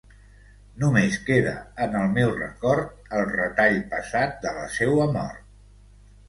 Només queda en el meu record el retall passat de la seua mort.